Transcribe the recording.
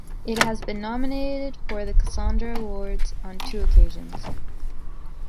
It has been nominated for the Casandra awards on two occasions.